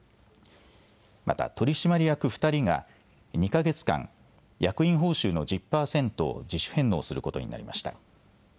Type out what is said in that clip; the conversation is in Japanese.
また取締役２人が２か月間役員報酬の１０％を自主返納することになりました。